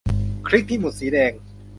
คลิกที่ หมุดสีแดง